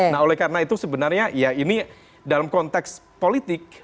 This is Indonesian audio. nah oleh karena itu sebenarnya ya ini dalam konteks politik